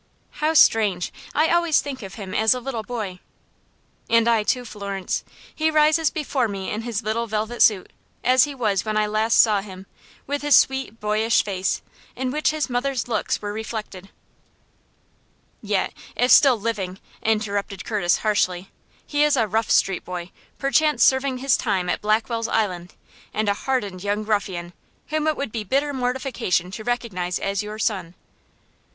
"How strange! I always think of him as a little boy." "And I, too, Florence. He rises before me in his little velvet suit, as he was when I last saw him, with his sweet, boyish face, in which his mother's looks were reflected." "Yet, if still living," interrupted Curtis, harshly, "he is a rough street boy, perchance serving his time at Blackwell's Island, and, a hardened young ruffian, whom it would be bitter mortification to recognize as your son."